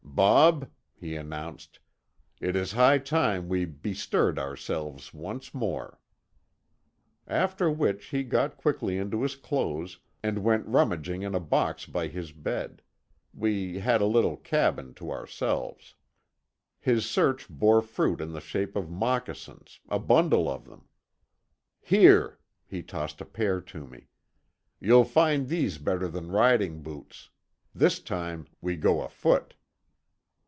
"Bob," he announced, "it is high time we bestirred ourselves once more." After which he got quickly into his clothes, and went rummaging in a box by his bed—we had a little cabin to ourselves. His search bore fruit in the shape of moccasins, a bundle of them. "Here," he tossed a pair to me. "You'll find these better than riding boots. This time we go afoot."